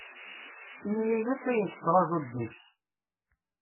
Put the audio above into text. Ini-as ayen tettrajuḍ deg-s.